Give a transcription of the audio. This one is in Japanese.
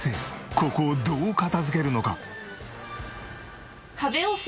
ここをどう片付けるのか？